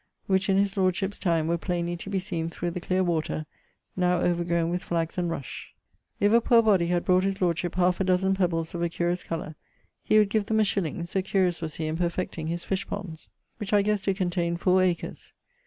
which in his lordship's time were plainly to be seen through the cleare water, now over grown with flagges and rushe. If a poor bodie had brought his lordship halfe a dozen pebbles of a curious colour, he would give them a shilling, so curious was he in perfecting his fish ponds, which I guesse doe containe four acres.